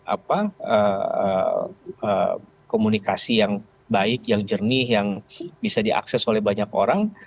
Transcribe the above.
apa komunikasi yang baik yang jernih yang bisa diakses oleh banyak orang